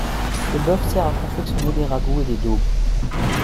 Le bœuf sert à confectionner des ragoûts et des daubes.